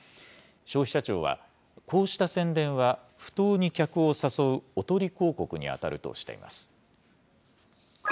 消費者庁は、こうした宣伝は、不当に客を誘うおとり広告に当たるとしています。